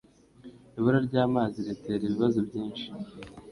Ibura ry'amazi ritera ibibazo byinshi.